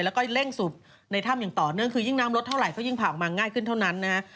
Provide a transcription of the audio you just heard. แล้วก็เร่งสูบในถ้ำอย่างต่อเนื่องคือยิ่งน้ำลดเท่าไหก็ยิ่งผ่าออกมาง่ายขึ้นเท่านั้นนะฮะ